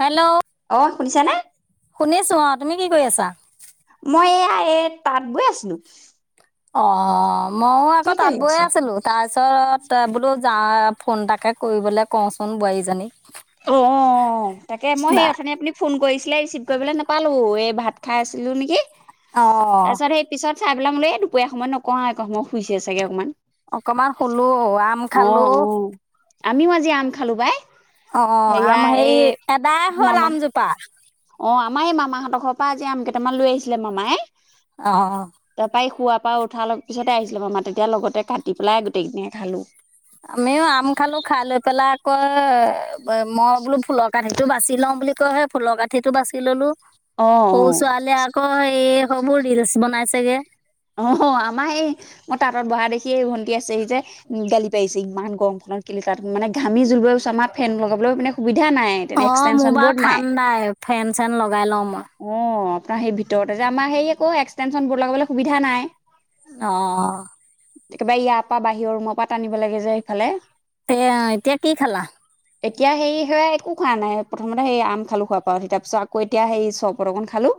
Hello অ শুনিছানে শুনিছো অ তুমি কি কৰি আছা তাই তাত গৈ আছিলো অ মইও কি আকৌ তাঁত কৰি বৈয়ে আছে? আছিলো তাৰপিছত বোলো যা ফোনটাকে কৰিবলৈ কওঁচোন বোৱাৰীজনীক অ তাকে মই বা সেই অথনি আপুনি ফোন কৰিছো ৰিচিভ কৰিবলৈ নাপালো এই ভাত খাই আছিলো নেকি অ তাৰপিছত সেই পিছত চাই আল মো এই দুৰীয়া সময়ত নকওঁ একে সময় শুই হৈছেছোগ অকণমান অকমান হলো অ অ আমিও আজি আম খালো বাই অ সেয়া আম হে এই এদাই হ'ল মামা আমজোপা অ আমাৰ এই মামাহঁতৰৰ পৰা আ যেি আম কেইটামান লৈ আহিছিলে মামাই আহ খুৱ পৰা উঠাৰ পিছতে আহিছিলো বাৰ মাৰ তেতিয়া লগতে কাটি পেলাই গোটেইকদিনাই খালো আমিও আম খালো খাই লৈ পেলাই আকৌ মই বোলো ফুলৰ কঠিিতটো বাচি লওঁ বুলি কয় সেই ফুলৰ কাঠিতো বাচি ললো অ অ। সৰু ছোৱালীয়ে আকৌ এই সবোৰ ৰিলচ বনাইছেগে অ আমাৰ এই মোৰ তাঁত বহা দেখি এই ভণ্টি আছেহি যে গালি পাৰিছে ইমান গৰমখন ত মানে ঘামি জুলব প আমাৰেন লগাবলৈ মানে সুবিধা নাই তেনে অ মোৰ এক্সটেনশ্যন বৰ্ড বাৰু নাই ঠাণ্ডাই ফেন চেন লগাই লওঁ মই অ আপোনাৰ সেই ভিতৰতে যে আমাৰ হেৰি আকৌ এক্সটেনচন ব লগাবলৈ সুবিধা নাই অ একেবাৰে ইয়াৰ পৰা বাহিৰৰ ৰুমৰ পৰা টানিব লাগে যে এইফালে এ এতিয়া কি খালা এতিয়া হেৰি সেয়া একো খোৱা নাই প্ৰথমতে সেই আম খালো খোৱাোৱাৰ পা উি তাৰ পিছত আকৌ এতিয়া হেৰি চৰবত অকন খালো,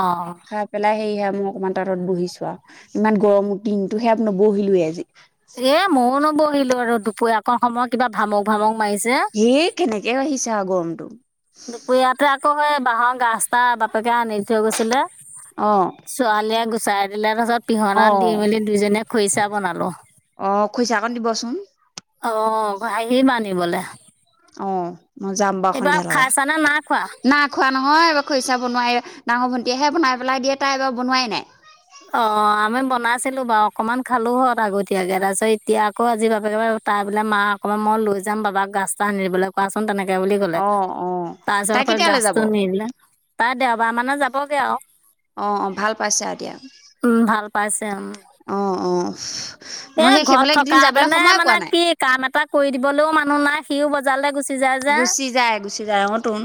অ', খাই পেলাই সেইআ মই অকমান তাঁতত বহিছো আৰু ইমান গৰমৰ দিনতো সেয়া নবহিলো আজি। এ ময়ো নবহিলো আৰু দুপৰীয়া আকৌ সময় কিবা ভামুক ভামুক মাৰিছে। এ কেনেকে আহিছা আৰু গৰমটো। দুপৰীয়াতে আকৌ সেই বাঁহৰ গাজটা বাপেক আনি থৈ গৈছিলে অ ছোৱালীয়ে গুচাই দিলে তাৰপিছত পিহনাত দি অ মেলি দুইজনীয়ে খৰিচা বনালো। অ খৰিচাকণ দিবচোন অ ঘাঁহি মানিবলে। অ ম যাম বাৰু সন্ধিয়া লৰা, খাইছানে নাই খোৱা? নাই খোৱা নহয় খৰিচা বনাই ডাঙৰ ভন্ত তেতিয়াহে বনাই পেলাই দিয়ে তাই এইবাৰ বনোৱাই নাই। অ আমি বনাইছিলো বাৰু, অকনমান খালো হত আগতীয়াকে তাৰপিছত এতিয়া আকৌ আজি বাপেকে তাই বোলে মা অকমান মই লৈ যাম বাবাক গাজ এটা আনৰিবলৈ কোৱাচোন তেনেকে তেওঁ বুলি কলে, অ অ তাৰ তাই পিছত কেতিয়ালৈ যাব গাজটো নিদিলে তাই দেওবাৰ মানে যাবগে আৰু। অ অ ভাল পাইছা দিয়া উম ভাল অ অ। এ মই সেই ঘৰত সেইফালে কেইদিন যাবলৈ থকাতেনে সময় পোৱা মানে নাই কি কাম এটা কৰি দিবলৈও মানুহ নাই, সিও বজাৰলৈ গুচি যায় যে গুচি যায় গুচি যায় অ তুন।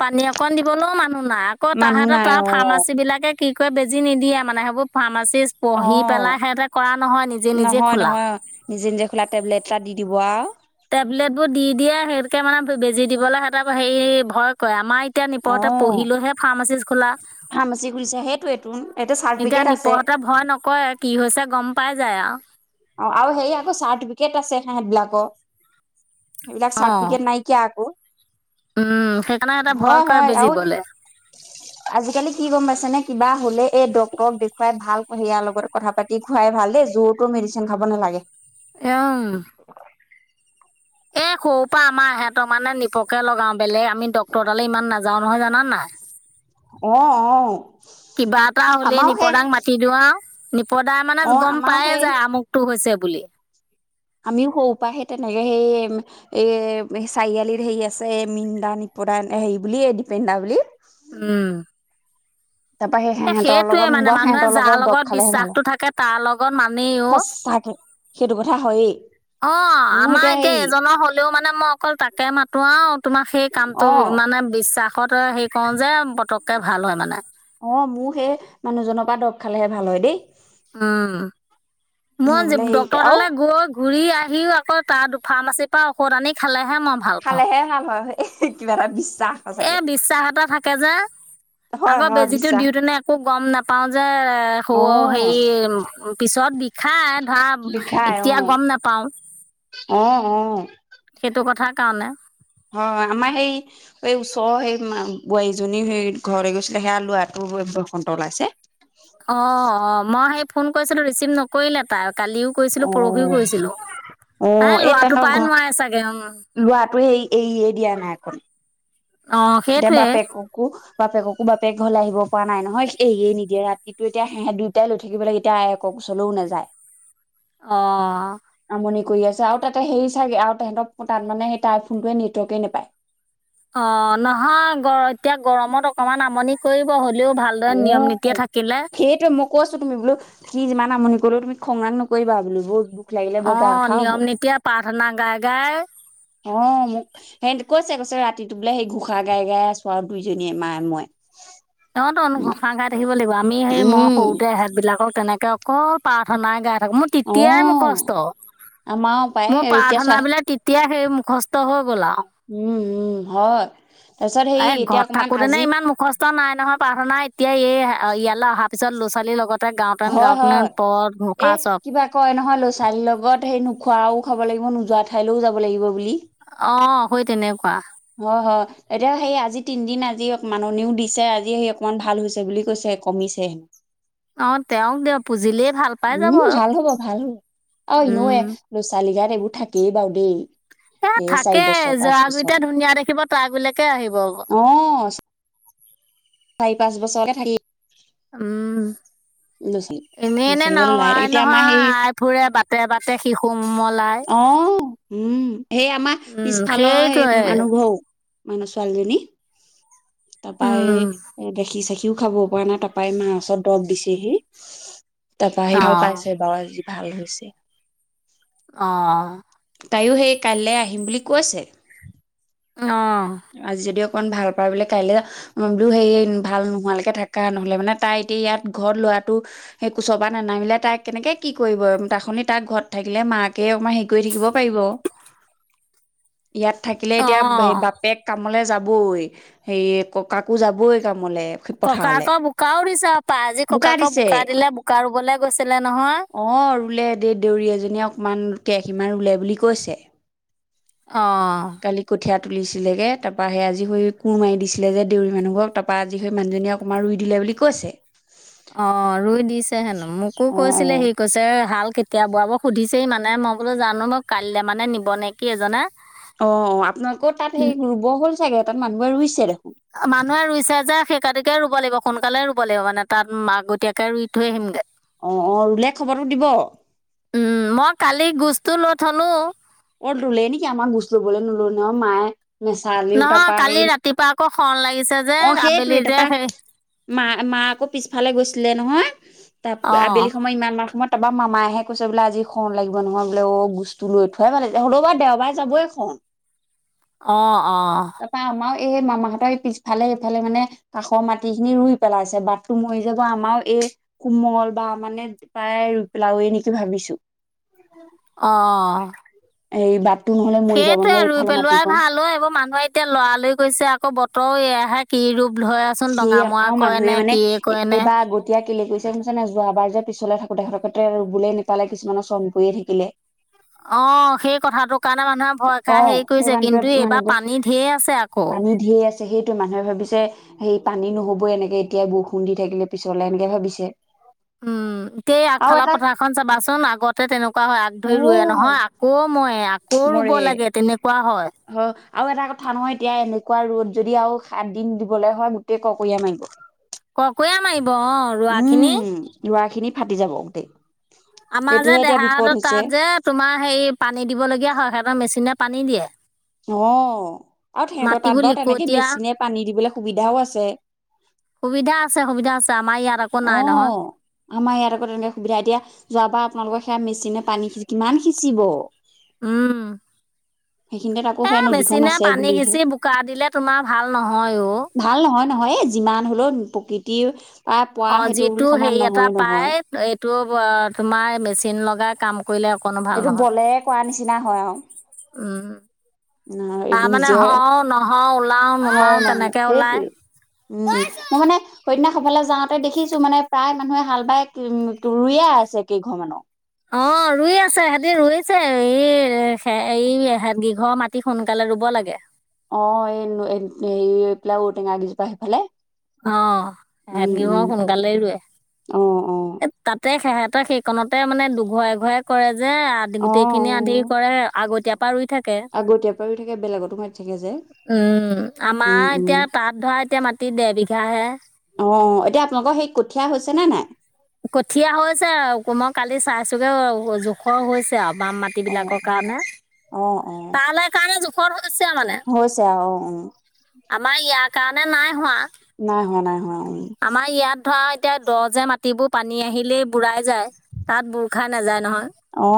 পানী অকণ দিবলৈও মানুহ নাই, আকৌ তাহাঁতৰ নাই তাৰ অ ফাৰ্মাচী বিলাকে কি কয় বেজি নিদিয়ে, মানে সেইবোৰ ফাৰ্মাচি অ পঢ়ি পেলাই সিহঁতে কৰা নহয় নেকি? নহয় নহয় নিজে নিজে খোলা টেবলেট এটা দি দিব আৰু। টেবলেট বোৰ দি দিয়ে সেইহতকে মানে বেজি দিবলৈ সিহঁতেৰ হেৰি ভয় কৰে আমাৰ এতিয়া অ নিপৰতে পঢ়িলোহে ফাৰ্মাচি খোলা ফাৰ্মাচী খুলিছে সেইটোৱেইটোন এইটো এতিয়া চাৰ্টিফিকেট আছে নিপহতে ভয় নকয়ে কি হৈছে গম পাই যায় আৰু। অ আৰু সেই আকৌ চাৰ্টিফিকেট আছে সিহঁত বিলাকৰ। সেইবিলাক অঁ চাৰ্টিফিকেট নাইকিয়া আকৌ, উম, সেইকাৰণে সিহঁতে ভয় হয় কৰে হয় বেজি আৰু দিবলে। আজিকালি কি গম পাইছে নে কিবা হ'লে এই ডক্টৰক দেখুৱাই ভালকৈ ইয়াৰ লগত কথা পাতি খোৱাই ভাল দেই যোৰতো মেডিচিন খাব নালাগে। এওঁ। এ সৰু পৰা আমাৰ ইহতে মানে নিপকে লগাও। বেলেগ আমি ডক্তৰৰতালৈ ইমান নাযাও নহয় জানানে নাই। অহ অহ। কিবা এটা হলে নিপদাক মাতি দিওঁ আউ। পদায় মানে অ গম আমাৰও পায়ে সেই যায় আমুকটো হৈছে বুলি। আমিও সৰু পৰা সে তেনেকে সেই এ চাৰিআলিৰ হেৰি আছে মিন্দান প হেৰি বুলেই দীপেনদনা বুলি উম। তাৰ পৰাা সেই এ সিহঁতৰ সেইটোৱে লগত মানে বৰ মানুহে সিহঁতৰ যাৰ লগত দ খালেহে ভাল। বিশ্বাসটো থাকে তাৰ লগত মানেই অ'। সচাকে সেইটো কথা হয়েই। অ মোৰ আমাৰ এতিয়া হেৰি এজনৰ হলেও মানে মই অকল তাকে মাতো আৰু, তোমাৰ সেই অ কামটো ম মানে বিশ্বাসত হেৰি কৰো যে পতককে ভাল হয় মানে। অ মোৰ সেই মানুহজনৰ পৰা দৰৱ খালেহে ভাল হয় দেই। অ। মই নহ'লে এই ডক্তৰ আৰু দালে গৈ ঘূৰি আহিও আকৌ তাত ফাৰ্মাচী তা ঔষধ আনি খালেহে মই ভাল পাওঁ। এহহে কিবা এটা দিছ এ, বিশ্বাস এটা থাকে যে। হয় আগৌ হয় বেজিো বিশ্বাস দিওঁতেনে একো গম নাপাও যে অ' হে-হেৰি পিছত বিখাই ধৰা বিষাই এতিয়া অ' গম নাপাওঁ। অ', অ। সেইটো কথাৰ কাৰণে। হয় আমাৰ সেই এই ওচৰৰ সেই মে-বোৱাৰীজনী সেই ঘৰলৈ গৈছিলে সেয়া ল'ৰাটো বসন্ত ওলাইছে। অ', অ' মই সেই ফোন কৰিছিলো ৰিচিভ নকৰিলে তাই। কালিও কৈছিলো, পৰহিও অ' কৈছিলো। এ, লৰাটো তেহেতৰ পায় ঘৰ নোৱাৰে চাগে, অ'। লোৱাটো এ এই এৰিয়ে দিয়া নাই একণ। এতিয়া সেইটোৱে বাপেককো বাপেককো বাপ সেই ঘৰলৈ আহিব পৰা নাই নহয়। এয়ে এৰীয়ে নিদিয়ে ৰাতিটো এতিয়া সেহে দুয়টাই লৈ থাকিব লাগে। এতিয়া একক ওচৰলৈও নাযায়। অ'। আমনি কৰি আছে আৰু তাতে হেৰি চাগে। আৰু তেহতোক তাত মানে সেই তাৰ ফোনটোৱে নেটৱৰ্কে নাপায়। অ'। নহয় গ-এতিয়া গৰমত অকমান আমণি কৰিব। হ'লেও ভালদৰে নিয়ম নীতিয়ে অ'। থাকিলে সেইটোৱে মই কৈছোঁ তুমি বোলা সি যিমান আমনি কৰিলেও তুমি খঙাল নকৰিবা বুলো বহুত দুখ লাগিলে বৰ বেয়া অ' কথা হ'ব। নিয়ম নীতিয়া প্ৰাৰ্থনা গাই গাই অ', মোক সে-কৈছে কৈছে ৰাতিটো বোলে সেই ঘোঁষা গাই গাই আছো আৰু দুইজনীয়ে মায়ে মই। অহতো ঘোষা ঘাই থাকিব লাগিব আমি সেই মই উম, সৰুতে এহত বিলাকক তেনেকে অকল প্ৰাৰ্থনাই গাই থাকো। মোৰ তেতিয়াই মোৰ কষ্ট অ', আমাৰো পাই মোৰ এতিয়া প্ৰাৰ্থনা চোৱা বিলাক তেতিয়া হেৰি সেই মুখস্থ হৈ গ'ল আৰু। উম, উম, হ'য়। তাৰপিছত এ হেৰি এতিয়া ঘৰত অকমান থাকোতেনে আজি ইমান মুখস্থ নাই নহয়। প্ৰাৰ্থনা এতিয়া এই-ইয়ালৈ অহা পিছত ল' ছোৱালীৰ লগত হয় হয়, এ চব কিবা কয় নহয় ল'ৰা ছোৱালীৰ লগত সেই নোখোৱাও হ'ব লাগিব নোযোৱা ঠাইলৈও যাব লাগিব বুলি। অ' সই তেনেকুৱা। অ' হয়। এতিয়া সেই আজি তিনদিন আজি মাননিও দিছে। আজি সেই অকমান ভাল হৈছে বুলি কৈছে। এ কমিছে। অ', তেওঁক দিয়ক। পুজিলেই ভাল পাই যাব আৰু। অই, ন'ৱে। ছোৱালীগাত এইবোৰ থাকেই বাৰু দেই। এ, চাৰি থাকে বছৰ পাঁচ যৰা বছৰ কইটা ধু ধুনীয়া দেখিব, তাৰ বিলকে আহিব। চাৰি-পাছ বছৰকে থাকে। উম। ল'ৰা ছোৱালী এনে ল'ৰা এনে ছোৱালী গাত ওলাই নহাই থাকে এতিয়া আমাৰ নহয় সেই আই ফুৰে। বাটে বাটে শিশু মল। অ'। উম। সেই আমাৰ উম পিছফালৰ সেই সেইটোৱে মানুহ ঘৰ মানুহ ছোৱালীজনী তাৰপা এ, উম দেখি চেখি সিও খাব পৰা নাই, তপাই মাছৰ দৰৱ দিছেহি। অ ভাল হৈছে। অ'। তাইও হেই কাইলে আহিম বুলি কৈছে। অ আজি দিয়ক। অকণ ভাল পা বোলে কাইলে বোলো হে ভাল নোহোৱালৈকে থাকা নহ'লে মানে তাই এতিয়া ইয়াত ঘৰত লোৱা ল'ৰাটো সেই কোচৰ পা নানামিলে তাক কেনেকে কি কৰিব? তাখনি তাক ঘৰত থাকিলে মাকে অকমান হে শুই থাকিব পাৰিব। ইয়াত থাকিলে অ এতিয়া বা-বাপেক কামলে যাবই। সে ককাকো যাবই কাম ককাকৰ বোকাও দিছ পা। আজি ককাকক বোকা দিলে, বোকা ৰুবলে গৈছিলে নহয়। অ', ৰুলে দেই। দেউৰী এজনীয়ে অকমান কেহীমান ৰুলে বুলি কৈছে। অ'। কালি কঠীয়া তুলিছিলেগে। তাৰপৰা সেই আজি স কোৰ মাৰি দিছিলে যে দেউী মানুহবক তাৰপৰা আজি সেই মানুজনীয়ে অকণমান ৰুই দিলে। বুলি কৈছে। অ'। ৰুই দিছে হেনো। মোকো অ', কৈছিলে অ'। সি, কৈছে হাল কেতিয়া বোৱাব সুধিছ সেই মানে মই বোলো জানো মোক কাইলৈ মানে নিব নে কি এজনে অ আপোনালোকেও তাত সেই ৰুব হ'ল চাগে তাত মানুহবে ৰুইছে দে মানুহে ৰুইছে যে সেইকাটিকে ৰুব লাগিব সোনকালে ৰুব লাগিব মানে তাত মাকগতীয়াকে ৰুই থৈ আহিমগে অ', অ', ৰুলে খবৰটো দিব উম মই কালি গোচটো নথনো অ লে নেকি আমাক গুচলো ব নোলো ন মায়ে নেচালিও নহয় তাৰাপা কালি হেৰি ৰাতিপুৱা আকৌ শৰণ লাগিছে যে অ আবেলি সেইটোোৱেই যে তাৰাপাক সেই মা মা আকৌ পিছফালে গৈছিলে নহয় তাৰ অঁ আবেলি সময় ইমান মাহ সময়ত তাৰপা মামাহহে কৈছে বোলে আজি খন লাগিব নহয় বোলে অ গস্তু লৈ থ ঘয় মালি হ'লেবা দেওবাৰে যাবইখন আহ আহ এই মামাহঁতৰ পিছফালে এইফালে মানে কাষৰ মাটি খিনি ৰুই পেলাইছে বাথৰুম হৈ যাব আমাৰ এই কোমল বা মানে প্ৰায় ৰুই পেলাওৱেই নেকি ভাবিছো অ এই বাপ সেইটয়ে ৰুই পেলোৱাই ভাল হয় এইবোৰ মানুহে এতিয়া লৰালৰি গৈছে আকৌ আকৌ বতৰ এহে কি ৰূপ ধৰেচোন সেে ডঙামৰা আৰু মানুহে কৰেনে মানে কিয়ে কৰেনে এইবাৰ আগতিয়া কেি কৈছে শুছ নাই যোৱাবাৰ যে পিছলৈ থাকো তেখেতকেতে ৰুবুললে নাপালে কিছুমানৰ চম কৰিয়ে থাকে অঁ সেই কথাটোৰ কাৰণে মানুহে ভয় অ খাই হেৰি সেই কৰিছে কিন্তু বানটোোৱে মানহ এইবাৰ পানী ঢেৰ আছে আকৌ পানী দিয়েই আছে সেই সো মানুহে ভাবিছে সেই পানী নহবই এনেকৈ এতিয়াই বৰষুণ দি থাকিলে পিছলৈ এনেকৈ ভাবিছে উম এতিয় আৰু আগফালৰ এটা পথাৰখন চাবাচোন আগতে তেনেকুৱা কুৱা হয় আগ অ ধৰি ৰুৱে নহয় আকৌ ময় আকৌ ৰুব মৰে লাগে তেনেকুৱা হয় আৰু এটা কথা নহয় এতিয়া এনেকুৱা ৰ'দ যদি আৰু সাত দিন দিবলৈ হয় মোতে ক কিয়া মাৰিব ককে মাৰিব অ' ৰোৱাখিনি। উম লৰা খিনি ফাটি যাব দেই আমাৰ যে দেহ হতত তাত যে তোমাৰ হেৰি পানী দিব লগগীয়া সহতৰ মেচিিনত পানী দিয়ে অ আৰু সিহঁতৰ তাত মাটিবোৰ বাৰু তেনেকে লিকটীয়া মেচিনে পানী দিবলৈ সুবিধাও আছে সুবিধা আছে সুবিধা আছে আমাৰ ইয়াত একো অ নাই নহয় আমাৰ ইয়াত আকৌ তেনেকে সুবিধা এতিয়া যোৱাব আপোনালোকৰ সেয়া মেচিনে পানী সি কিমান সিঁচিব উম, সেইখিনিতে আকৌ এ সে নদীখন মেচিনে আছে পানী বুলিহে সিঁচি বোকা দিলে তোমাৰ ভাল নহয় অ'। ভাল নহয় নহয় যিমান হলেও প্ৰকৃতিৰ পোৱা অ সেইটো যিটো সমান হেৰি এটা নহয় নহয় পাই এইটো তোমাৰ মেচিন লগাই কাম কৰিলে অকণো ভাল এইটো নহয় বলেৰে কৰা নিচিনা হয় আৰু তাৰমানানে নিজে হও নহও ওলাও নোলাও হও-নহও তেনেকে ওলাই সেইটোৱে উম মোৰ মানে সন্্যাস সফালে যাওঁতে দেখিছো মানে প্ৰায় মানুহে হাল বাই উম ৰুইয়ে আছে কেইঘৰমানানৰ অ ৰুই আছে সিহঁতি ৰুই আছে এই এই গীঘৰ মাটি সোনকালে ৰুব লাগে অ এই হেৰি পেলাই ঔটেঙা গিজোপা সেইফালে অ সেহত উম বিহ উম সোনকালেই ৰুোৱে অ অ এ তাতে খেহত সেইকণতে মানে দুঘৰে এ ঘৰে কৰে যে আ গোটেই খিনি আন্ধি কৰে আগতীয়া আগতয়াৰ পৰাও থাকে বেলেগতো মতি থাকে যে উম উম আমাৰ উম এতিয়া তাত ধৰা এতিয়া মাটি ডৰবিঘাহে অ এতিয়া আপোনালোকৰ সেই কঠীয়া হৈছে নে নাই কঠীয়া হৈছে আৰু মই কালি চাইছোগে জোখৰ হৈছে আৰু বাম মাটি অ বিলাকৰ কাৰণে অ অ তাল কাৰণে জোখত হৈছে আৰু মানে হৈছে আৰু অ অ আমাৰ ইয়াৰ কাৰণে নাই হোৱা। নাই হোৱা নাই হোৱা অ' আমাৰ ইয়াত ধৰ এতিয়া দযে মাটিবোৰ পানী আহিলেই বু়াই যায় তাত বুৰ খাই নাযায় নহয়। অ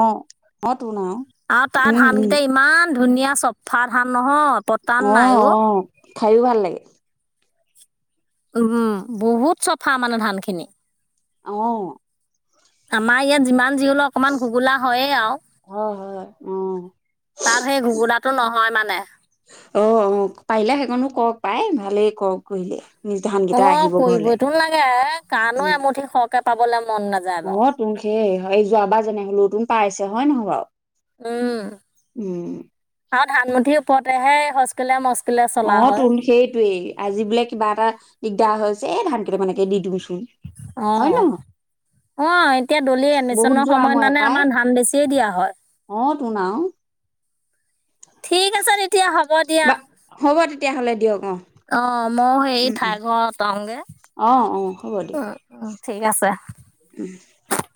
অ তোন আৰু আৰু তাৰ উম উম ধানকেইটা ইমান ধুনীয়া চফা ধান নহয়। পতান নাই অ' অ' খাইো ভাল লাগে। উম বহুত চাফা মানে ধান খিনি। অ' আমাৰ ইয়াত যিমান যি হলেও অকমান ঘুগোলা হয়য়ে আৰু। হয় হয় তাত সেই ঘুগুলাটো নহয় মানে অ' অ' অ' পাৰিলে সেইকনো কওক পাই ভালেই কৰক কৰিলে। নিজ ধানকেইটা অ' আহিব কৰিব ঘৰলে এই টোন লাগে কাণো উম এমুঠি সৰহকে পাবলে অ' তুম সেই এই যোৱাবাৰ যেনে হলে তুন পাই আছে হয় নহয় বাৰু? উম [inaudible] অ' হয় তোন সেইটোৱেই আজি বোলে কিবা এটা দিগদাৰ হৈছে এই ধানকেইটা মানেকে দি দোছোন হয় ন? অঁ অ' এতিয়া দলি বহুত এডমিচনৰ যোৱা সময়ত মই মানে আমাৰ ধান বেছিয়ে দিয়া হয়। শুনাও। [inaudible] ঠিক আছে তেতিয়া হ'ব দিয়া। বা হ'ব তেতিয়াহ'লে দিয়ক অ অ' মই সেই উম ঠাই উম ঘৰ অটাও। অ' অ' হ'ব দিয়া। ঠিক আছে। [inaudible]